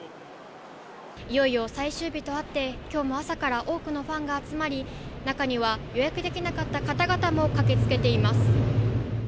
いよいよ最終日とあって、きょうも朝から多くのファンが集まり、中には予約できなかった方々も駆けつけています。